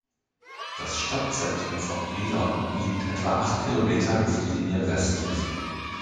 Das Stadtzentrum von Brilon liegt etwa acht Kilometer Luftlinie westlich.